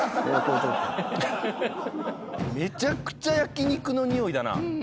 めちゃくちゃ焼き肉のにおいだな。